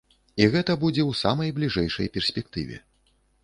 І гэта будзе ў самай бліжэйшай перспектыве.